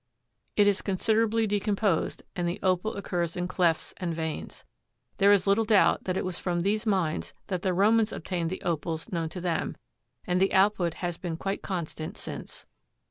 It is considerably decomposed, and the Opal occurs in clefts and veins. There is little doubt that it was from these mines that the Romans obtained the Opals known to them, and the output has been quite constant since.